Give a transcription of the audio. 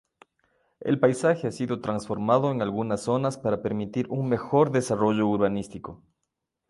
El paisaje ha sido transformado en algunas zonas para permitir un mejor desarrollo urbanístico.